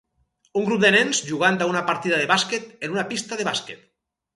Un grup de nens jugant a un partit de bàsquet en una pista de bàsquet